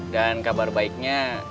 dan kabar baiknya